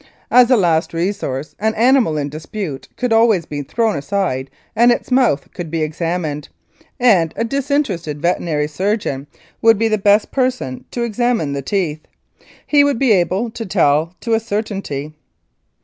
As a last resource an animal in dispute could always be thrown and its mouth could be examined, and a disinterested veterinary surgeon would be the best person to examine the teeth. He would be able to tell to a certainty.